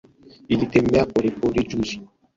Alitembea pole pole juzi